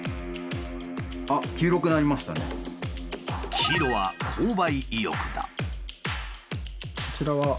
黄色は「購買意欲」だ。